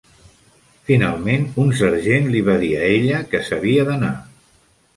Finalment, un sergent li va dir a ella que s'havia d'anar.